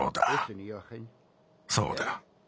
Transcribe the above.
そうだ。